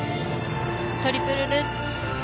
トリプルルッツ。